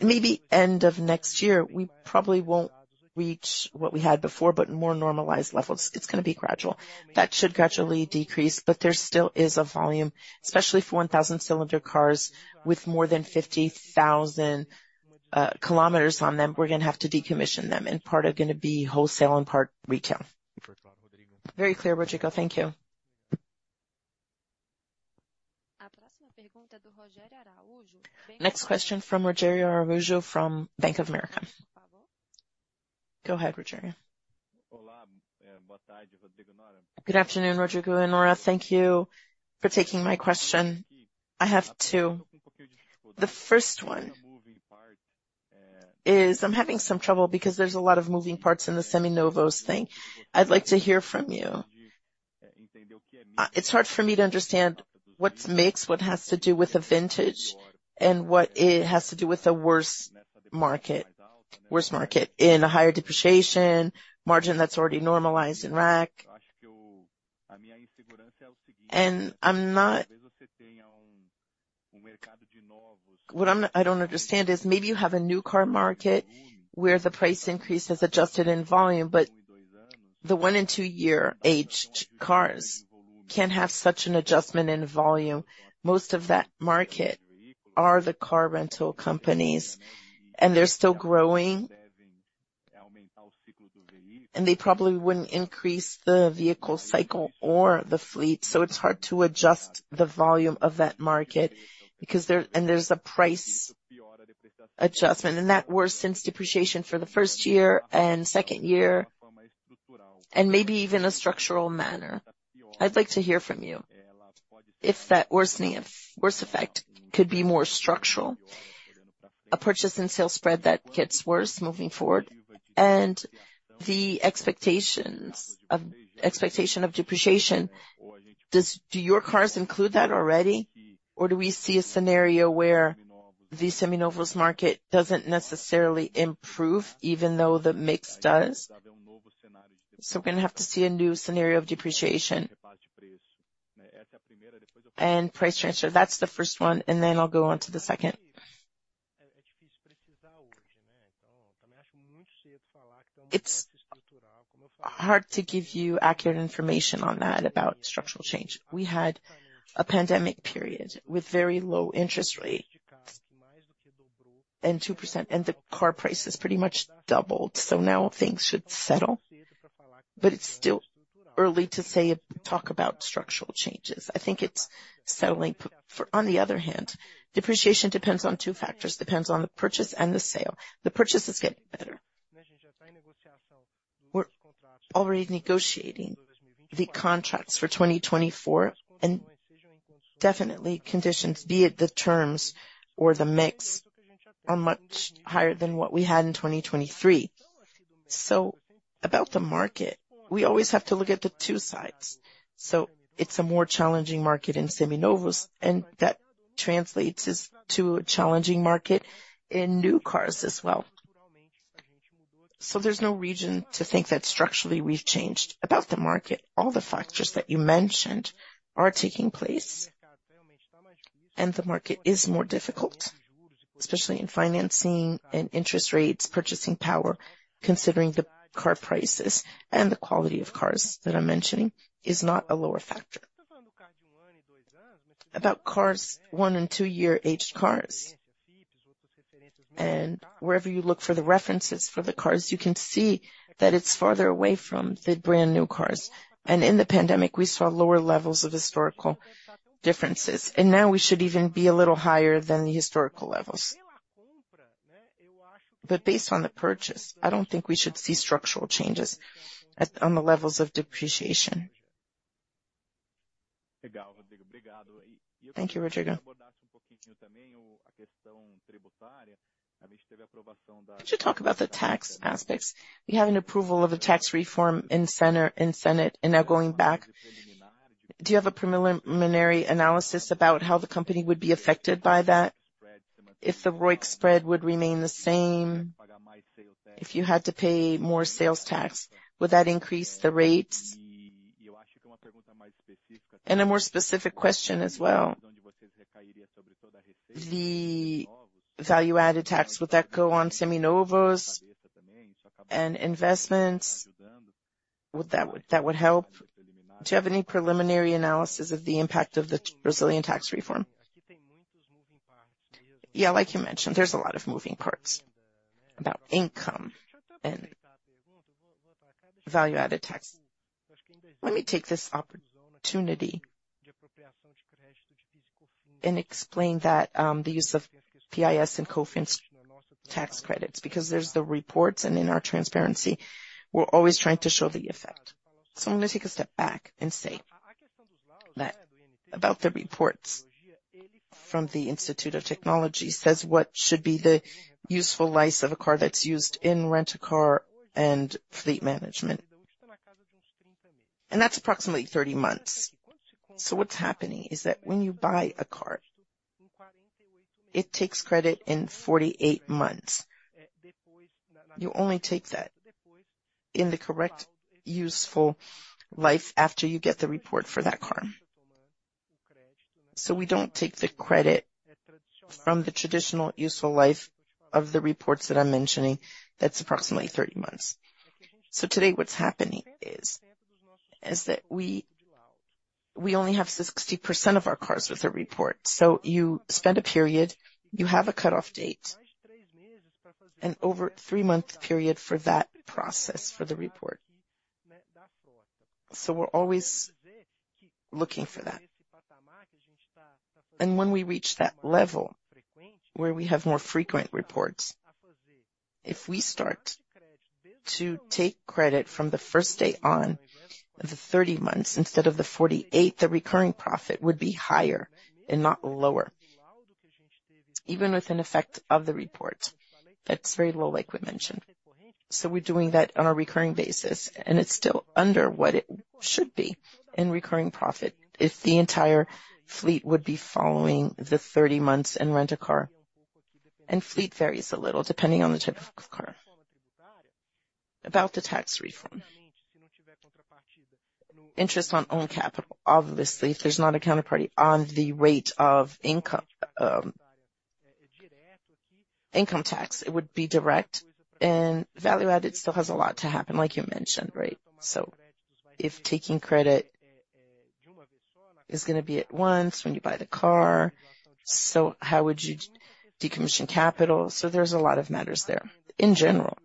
Speaker 2: Maybe end of next year, we probably won't reach what we had before, but more normalized levels. It's gonna be gradual. That should gradually decrease, but there still is a volume, especially for 1.0-liter cars, with more than 50,000 km on them. We're gonna have to decommission them, and part are gonna be wholesale and part retail.
Speaker 9: Very clear, Rodrigo. Thank you.
Speaker 1: Next question from Rogério Araújo, from Bank of America. Go ahead, Rogério.
Speaker 10: Good afternoon, Rodrigo and Nora. Thank you for taking my question. I have two. The first one is I'm having some trouble because there's a lot of moving parts in the Seminovos thing. I'd like to hear from you. It's hard for me to understand what makes, what has to do with the vintage and what it has to do with the used market. Used market in a higher depreciation, margin that's already normalized in RAC. And I'm not what I'm, I don't understand is maybe you have a new car market where the price increase has adjusted in volume, but the one and two year-aged cars can't have such an adjustment in volume. Most of that market are the car rental companies, and they're still growing, and they probably wouldn't increase the vehicle cycle or the fleet. So it's hard to adjust the volume of that market, because there and there's a price adjustment, and that worse since depreciation for the first year and second year, and maybe even a structural manner. I'd like to hear from you if that worsening of worse effect could be more structural, a purchase and sale spread that gets worse moving forward. And the expectation of depreciation, do your cars include that already? Or do we see a scenario where the Seminovos market doesn't necessarily improve, even though the mix does? So we're gonna have to see a new scenario of depreciation and price transfer. That's the first one, and then I'll go on to the second.
Speaker 2: It's hard to give you accurate information on that, about structural change. We had a pandemic period with very low interest rates and 2%, and the car prices pretty much doubled, so now things should settle. But it's still early to say, talk about structural changes. I think it's settling. For on the other hand, depreciation depends on two factors: depends on the purchase and the sale. The purchase is getting better. We're already negotiating the contracts for 2024, and definitely conditions, be it the terms or the mix, are much higher than what we had in 2023. So about the market, we always have to look at the two sides. So it's a more challenging market in Seminovos, and that translates as, to a challenging market in new cars as well. So there's no reason to think that structurally we've changed. About the market, all the factors that you mentioned are taking place, and the market is more difficult, especially in financing and interest rates, purchasing power, considering the car prices and the quality of cars that I'm mentioning, is not a lower factor. About cars, one and two year aged cars, and wherever you look for the references for the cars, you can see that it's farther away from the brand new cars. And in the pandemic, we saw lower levels of historical differences, and now we should even be a little higher than the historical levels. But based on the purchase, I don't think we should see structural changes at, on the levels of depreciation.
Speaker 10: Thank you, Rodrigo. Could you talk about the tax aspects? We have an approval of a tax reform in center, in Senate, and now going back. Do you have a preliminary analysis about how the company would be affected by that? If the ROIC spread would remain the same, if you had to pay more sales tax, would that increase the rates? And a more specific question as well. The value-added tax, would that go on Seminovos and investments? Would that help? Do you have any preliminary analysis of the impact of the Brazilian tax reform?
Speaker 2: Yeah, like you mentioned, there's a lot of moving parts about income and value-added tax. Let me take this opportunity and explain that, the use of PIS and Cofins tax credits, because there's the reports, and in our transparency, we're always trying to show the effect. So I'm gonna take a step back and say that about the reports from the Institute of Technology, says what should be the useful life of a car that's used in rent-a-car and fleet management. And that's approximately 30 months. So what's happening is that when you buy a car, it takes credit in 48 months. You only take that in the correct, useful life after you get the report for that car. So we don't take the credit from the traditional useful life of the reports that I'm mentioning, that's approximately 30 months. So today, what's happening is that we only have 60% of our cars with a report. So you spend a period, you have a cut-off date, and over a three month period for that process for the report. So we're always looking for that. And when we reach that level where we have more frequent reports, if we start to take credit from the first day on the 30 months instead of the 48, the recurring profit would be higher and not lower. Even with an effect of the report, that's very low, like we mentioned. So we're doing that on a recurring basis, and it's still under what it should be in recurring profit if the entire fleet would be following the 30 months in rent a car, and fleet varies a little, depending on the type of car. About the tax reform, interest on own capital. Obviously, if there's not a counterparty on the rate of income, income tax, it would be direct and value-added still has a lot to happen, like you mentioned, right? So if taking credit is gonna be at once when you buy the car, so how would you decommission capital? So there's a lot of matters there. In general,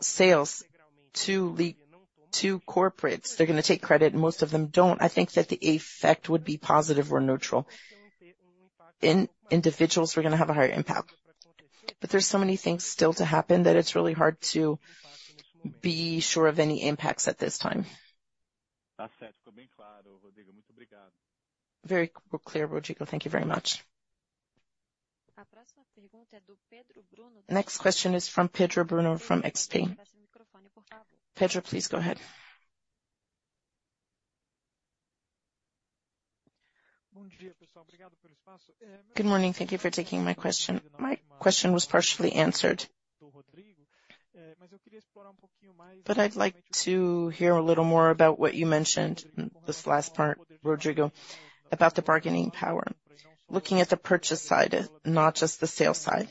Speaker 2: sales to corporates, they're gonna take credit, and most of them don't. I think that the effect would be positive or neutral. In individuals, we're gonna have a higher impact, but there's so many things still to happen that it's really hard to be sure of any impacts at this time.
Speaker 10: Very clear, Rodrigo. Thank you very much.
Speaker 1: The next question is from Pedro Bruno from XP. Pedro, please go ahead.
Speaker 11: Good morning. Thank you for taking my question. My question was partially answered. But I'd like to hear a little more about what you mentioned, this last part, Rodrigo, about the bargaining power. Looking at the purchase side, not just the sales side.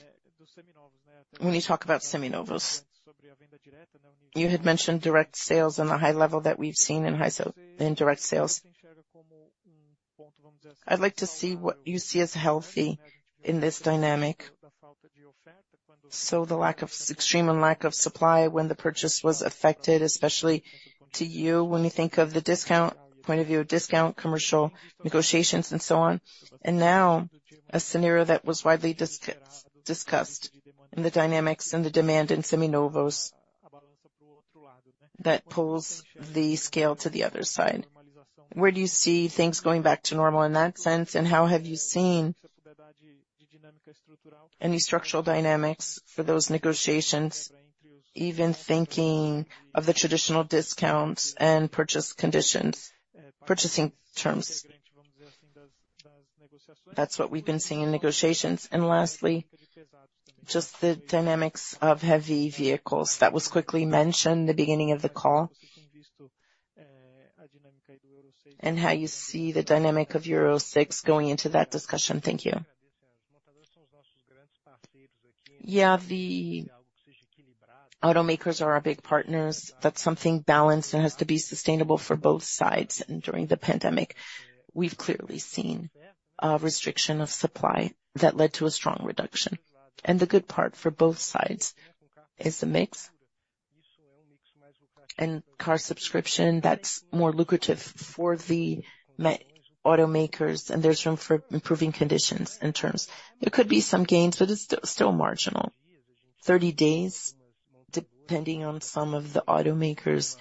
Speaker 11: When you talk about Seminovos, you had mentioned direct sales on a high level that we've seen in direct sales. I'd like to see what you see as healthy in this dynamic. So the extreme lack of supply when the purchase was affected, especially to you, when you think of the discount, point of view of discount, commercial negotiations, and so on. And now, a scenario that was widely discussed in the dynamics and the demand in Seminovos, that pulls the scale to the other side. Where do you see things going back to normal in that sense, and how have you seen any structural dynamics for those negotiations, even thinking of the traditional discounts and purchase conditions, purchasing terms? That's what we've been seeing in negotiations. And lastly, just the dynamics of heavy vehicles. That was quickly mentioned the beginning of the call, and how you see the dynamic of EUR six going into that discussion. Thank you.
Speaker 2: Yeah, the automakers are our big partners. That's something balanced and has to be sustainable for both sides. And during the pandemic, we've clearly seen a restriction of supply that led to a strong reduction. And the good part for both sides is the mix and car subscription that's more lucrative for the automakers, and there's room for improving conditions and terms. There could be some gains, but it's still, still marginal. 30 days, depending on some of the automakers,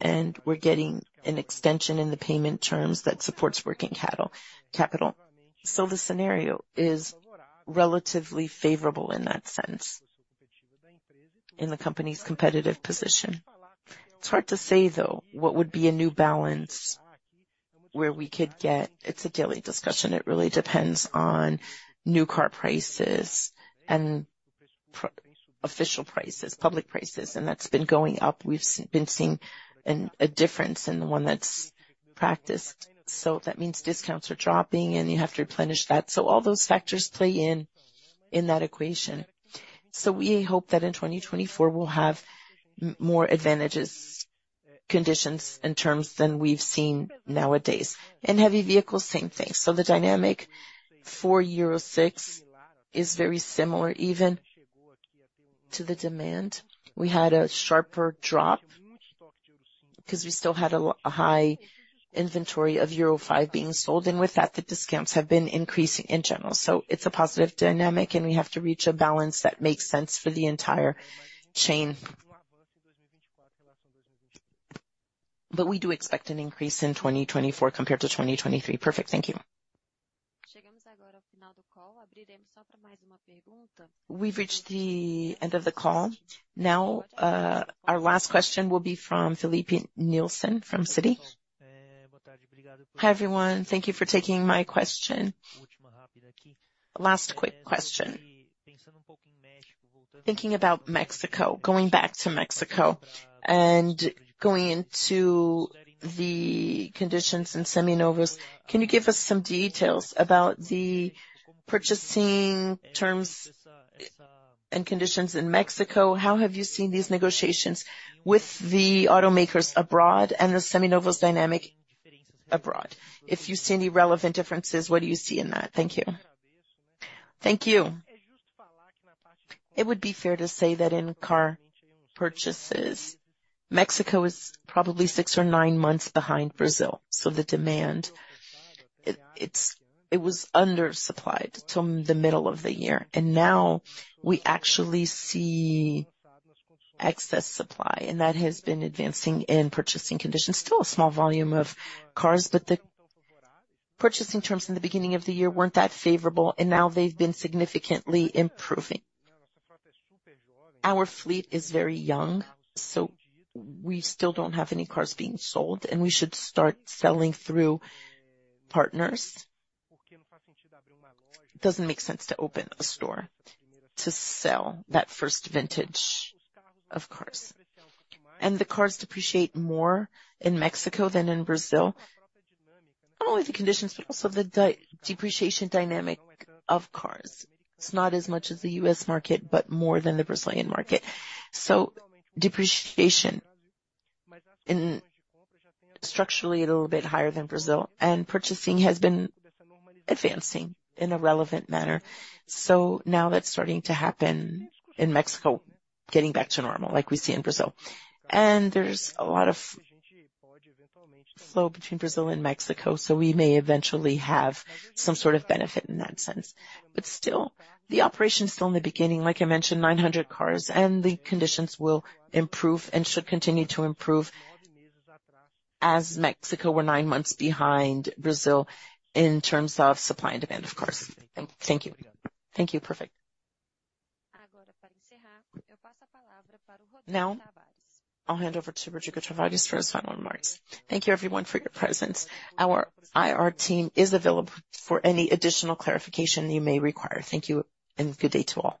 Speaker 2: and we're getting an extension in the payment terms that supports working capital. So the scenario is relatively favorable in that sense, in the company's competitive position. It's hard to say, though, what would be a new balance where we could get. It's a daily discussion. It really depends on new car prices and pre-official prices, public prices, and that's been going up. We've been seeing a difference in the one that's practiced, so that means discounts are dropping and you have to replenish that. So all those factors play in that equation. So we hope that in 2024, we'll have more advantages, conditions, and terms than we've seen nowadays. And heavy vehicles, same thing. So the dynamic for EUR six is very similar even to the demand. We had a sharper drop, because we still had a high inventory of Euro V being sold, and with that, the discounts have been increasing in general. So it's a positive dynamic, and we have to reach a balance that makes sense for the entire chain. But we do expect an increase in 2024 compared to 2023.
Speaker 11: Perfect. Thank you.
Speaker 1: We've reached the end of the call. Now, our last question will be from Filipe Nielsen from Citi.
Speaker 12: Hi, everyone. Thank you for taking my question. Last quick question. Thinking about Mexico, going back to Mexico and going into the conditions in Seminovos, can you give us some details about the purchasing terms and conditions in Mexico? How have you seen these negotiations with the automakers abroad and the Seminovos dynamic abroad? If you see any relevant differences, what do you see in that? Thank you.
Speaker 2: Thank you. It would be fair to say that in car purchases, Mexico is probably six or nine months behind Brazil, so the demand, it was undersupplied till the middle of the year. And now we actually see excess supply, and that has been advancing in purchasing conditions. Still a small volume of cars, but the purchasing terms in the beginning of the year weren't that favorable, and now they've been significantly improving. Our fleet is very young, so we still don't have any cars being sold, and we should start selling through partners. It doesn't make sense to open a store to sell that first vintage of cars. The cars depreciate more in Mexico than in Brazil. Not only the conditions, but also the depreciation dynamic of cars. It's not as much as the U.S. market, but more than the Brazilian market. So depreciation is structurally a little bit higher than Brazil, and purchasing has been advancing in a relevant manner. So now that's starting to happen in Mexico, getting back to normal, like we see in Brazil. There's a lot of flow between Brazil and Mexico, so we may eventually have some sort of benefit in that sense. Still, the operation is still in the beginning. Like I mentioned, 900 cars, and the conditions will improve and should continue to improve, as Mexico were nine months behind Brazil in terms of supply and demand, of course.
Speaker 12: Thank you. Thank you. Perfect.
Speaker 1: Now, I'll hand over to Rodrigo Tavares for his final remarks.
Speaker 2: Thank you everyone for your presence. Our IR team is available for any additional clarification you may require. Thank you, and good day to all.